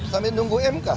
sambil nunggu mk